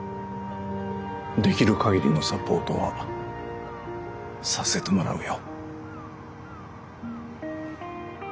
できる限りのサポートはさせてもらうよ。